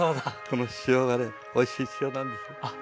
この塩がねおいしい塩なんです。